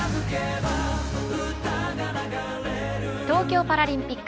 東京パラリンピック